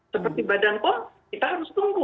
seperti badan pom kita harus tunggu